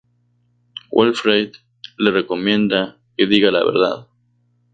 Wilfred le recomienda que diga la verdad.